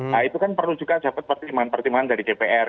nah itu kan perlu juga dapat pertimbangan pertimbangan dari dpr